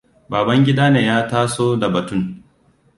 Babangida ne ya taso da batun.